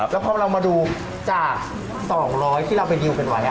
แล้วพอเรามาดูจาก๒๐๐ที่เราไปดิวกันไว้